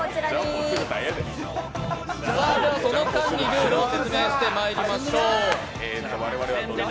その間にルールを説明してまいりましょう。